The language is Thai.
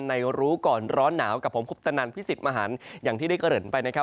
ในรู้ก่อนร้อนหนาวกับผมคุปตณรภิสิตมหารอย่างที่ได้เกลิ่นไปนะครับ